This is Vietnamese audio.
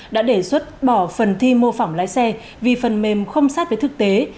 đã đề xuất bỏ phần thi mô phỏng lái xe vì phần mềm không sát với thực tế